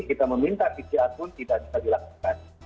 kita meminta pcr pun tidak bisa dilakukan